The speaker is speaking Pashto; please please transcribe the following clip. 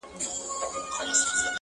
• د غمونو سوي چیغي تر غوږونو نه رسیږي -